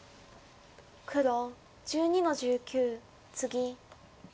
黒１２の十九ツギ。